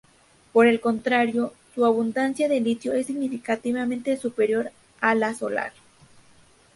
Por el contrario, su abundancia de litio es significativamente superior a la solar.